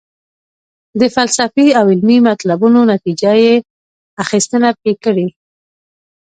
د فلسفي او علمي مطلبونو نتیجه یې اخیستنه پکې کړې.